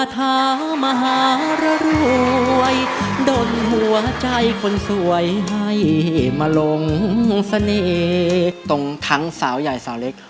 ตรงทั้งสาวใหญ่สาวเล็ก